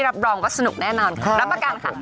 รับรองว่าสนุกแน่นอนค่ะรับประกันค่ะ